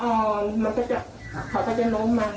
ตอนนี้อยากเห็นหน้าลูกเห็นหน้าร้าน